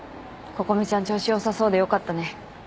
心美ちゃん調子良さそうでよかったね。